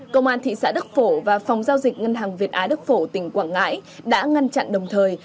công an thị xã đức phổ và phòng giao dịch ngân hàng việt á đức phổ tỉnh quảng ngãi đã ngăn chặn đồng thời